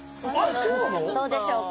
どうでしょうか。